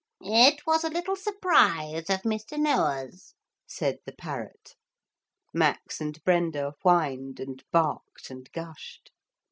'It was a little surprise of Mr. Noah's,' said the parrot. Max and Brenda whined and barked and gushed.